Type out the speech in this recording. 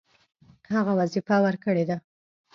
هغه وظیفه ورکړې ده.